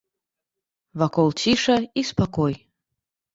Вакол ціша і спакой.